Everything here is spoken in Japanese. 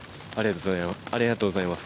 ◆ありがとうございます。